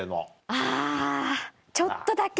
あぁちょっとだけ。